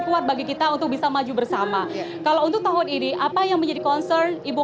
kuat bagi kita untuk bisa maju bersama kalau untuk tahun ini apa yang menjadi concern ibu